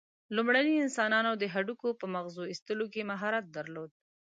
لومړنیو انسانانو د هډوکو په مغزو ایستلو کې مهارت درلود.